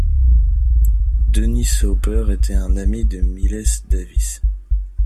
Dennis Hopper était un ami de Miles Davis.